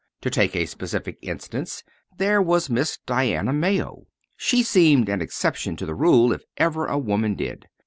To take a specific instance, there was Miss Diana Mayo. She seemed an exception to the rule if ever a woman did.